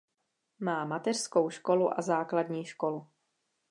Má mateřskou školu a základní školu.